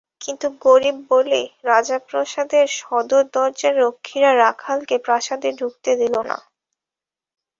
কিন্তু গরিব বলে রাজপ্রাসাদের সদর দরজার রক্ষীরা রাখালকে প্রাসাদে ঢুকতে দিল না।